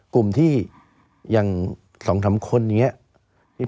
กลุ่มที่อย่างสองสามคนอย่างนี้